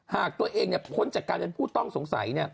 หากตัวเองพ้นจากการเป็นผู้ต้องสงสัย